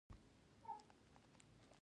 خو واښه خونخواره نه وو.